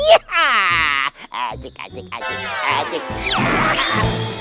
adik adik adik